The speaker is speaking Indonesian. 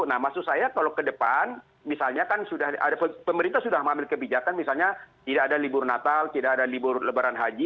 nah maksud saya kalau ke depan misalnya kan sudah ada pemerintah sudah mengambil kebijakan misalnya tidak ada libur natal tidak ada libur lebaran haji